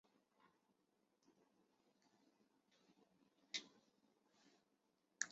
陈与义人。